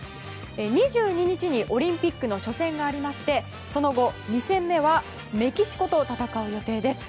２２日にオリンピックの初戦がありましてその後、２戦目はメキシコと戦う予定です。